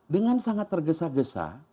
dengan sangat tergesa gesa